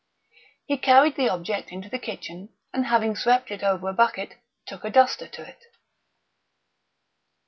He carried the object into the kitchen, and having swept it over a bucket, took a duster to it.